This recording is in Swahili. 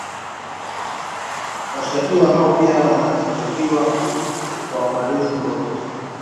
washtakiwa hao pia wanashtakiwa kwa uhalifu wa vita